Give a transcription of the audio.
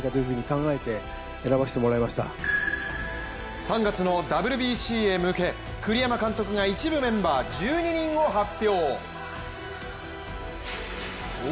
３月のＷＢＣへ向け、栗山監督が一部メンバー１２人を発表。